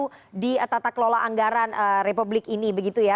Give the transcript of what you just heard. modus korupsi baru di tata kelola anggaran republik ini begitu ya